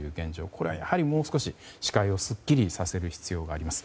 これは、やはりもう少し視界をすっきりさせる必要があります。